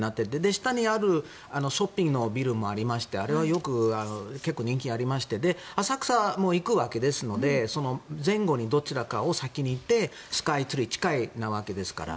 下にあるショッピングのビルもありましてあれは結構人気がありまして浅草も行くわけですので前後にどちらかを先に行ってスカイツリー近いわけですから。